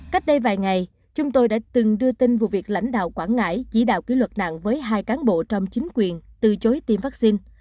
cách đây vài ngày chúng tôi đã từng đưa tin vụ việc lãnh đạo quảng ngãi chỉ đạo kỷ luật nặng với hai cán bộ trong chính quyền từ chối tiêm vaccine